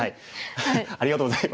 ありがとうございます。